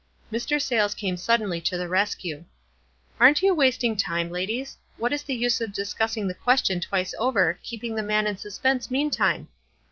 Mr. Sayles came suddenly to the rescue. "Aren't you wasting time, ladies? What is the use of discussing the question twice over, keeping the man in suspense meantime?